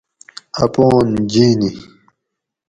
اپان جینی